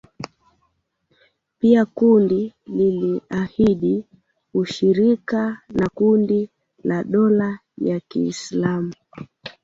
Pia kundi liliahidi ushirika na kundi la dola ya Kiislamu